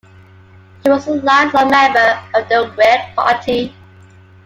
He was a lifelong member of the Whig Party.